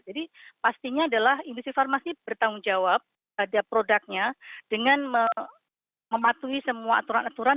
jadi pastinya adalah industri farmasi bertanggung jawab pada produknya dengan mematuhi semua aturan aturan